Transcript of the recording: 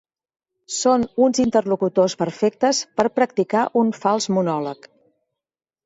Són uns interlocutors perfectes per practicar un fals monòleg.